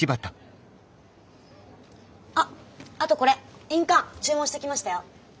あっあとこれ印鑑注文しときましたよ。